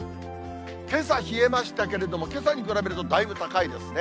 けさ冷えましたけれども、けさに比べるとだいぶ高いですね。